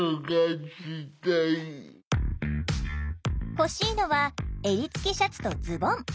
欲しいのは襟付きシャツとズボン。